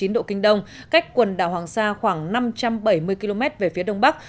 một trăm một mươi sáu chín độ kinh đông cách quần đảo hoàng sa khoảng năm trăm bảy mươi km về phía đông bắc